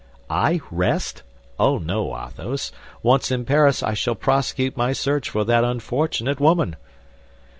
"I rest? Oh, no, Athos. Once in Paris, I shall prosecute my search for that unfortunate woman!"